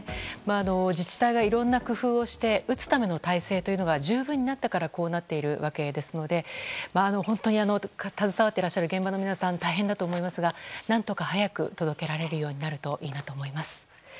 自治体がいろんな工夫をして打つための体制というのが十分になったからこうなっているわけですので携わっている現場の皆さんは大変だと思いますが何とか早く届けられるようになるといいなと思います。